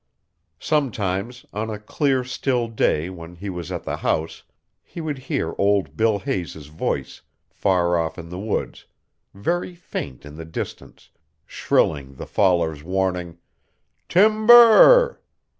Sometimes, on a clear still day when he was at the house, he would hear old Bill Hayes' voice far off in the woods, very faint in the distance, shrilling the fallers' warning, "Timb r r r."